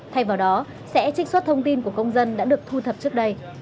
thay vào đó sẽ trích xuất thông tin của công dân đã được thu thập trước đây